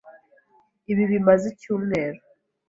Ibi bimaze icyumweru.